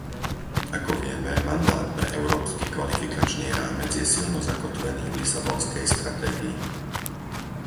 Ako vieme, mandát pre Európsky kvalifikačný rámec je silno zakotvený v lisabonskej stratégii.